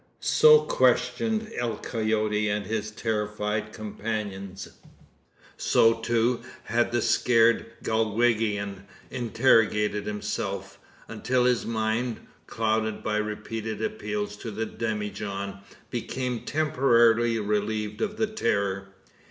So questioned El Coyote and his terrified companions. So, too, had the scared Galwegian interrogated himself, until his mind, clouded by repeated appeals to the demijohn, became temporarily relieved of the terror.